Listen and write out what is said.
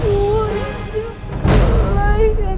jangan tinggalin aku mas